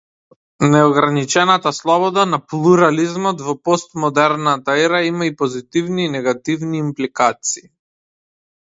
Неограничената слобода на плурализмот во постмодерната ера има и позитивни и негативни импликации.